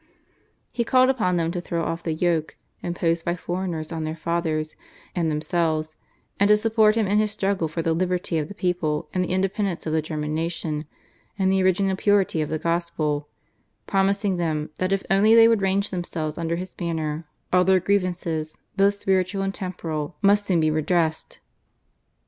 He called upon them to throw off the yoke imposed by foreigners on their fathers and themselves, and to support him in his struggle for the liberty of the people, the independence of the German nation, and the original purity of the Gospel, promising them that if only they would range themselves under his banner, all their grievances, both spiritual and temporal, must soon be redressed.